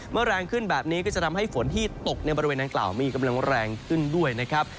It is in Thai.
แรงขึ้นแบบนี้ก็จะทำให้ฝนที่ตกในบริเวณดังกล่าวมีกำลังแรงขึ้นด้วยนะครับ